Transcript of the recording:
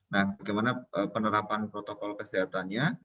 nah bagaimana penerapan protokol kesehatannya